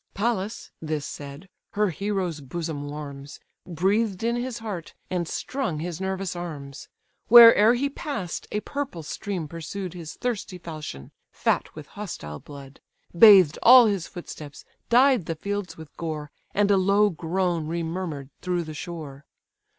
Pallas (this said) her hero's bosom warms, Breathed in his heart, and strung his nervous arms; Where'er he pass'd, a purple stream pursued His thirsty falchion, fat with hostile blood, Bathed all his footsteps, dyed the fields with gore, And a low groan remurmur'd through the shore.